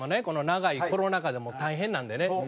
この長いコロナ禍で大変なんでね。